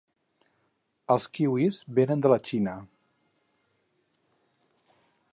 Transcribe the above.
Els kiwis venen de la Xina.